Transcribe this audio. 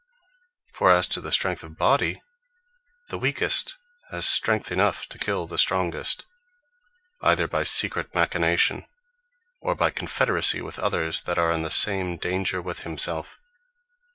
For as to the strength of body, the weakest has strength enough to kill the strongest, either by secret machination, or by confederacy with others, that are in the same danger with himselfe.